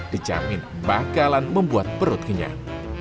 dijamin bakalan membuat perut kenyang